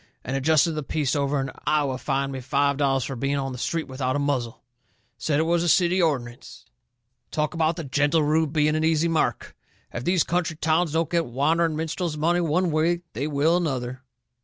and a justice of the peace over in Iowa fined me five dollars for being on the street without a muzzle. Said it was a city ordinance. Talk about the gentle Rube being an easy mark! If these country towns don't get the wandering minstrel's money one way they will another!"